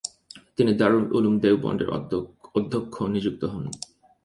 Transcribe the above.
তিনি দারুল উলুম দেওবন্দের অধ্যক্ষ নিযুক্ত হন।